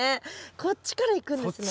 こっちからいくんですね。